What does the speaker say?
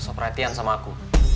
sosok perhatian sama aku